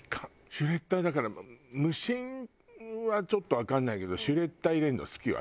シュレッダーはだから無心はちょっとわかんないけどシュレッダー入れるの好きよ